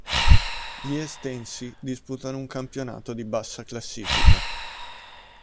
Gli estensi disputano un campionato di bassa classifica.